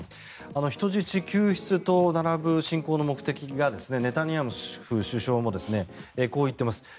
人質救出と並ぶ侵攻の目的がネタニヤフ首相もこう言っています。